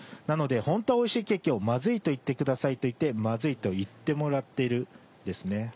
なのでホントはおいしいケーキを「『マズい』と言ってください」と言って「マズい」と言ってもらってるんですね。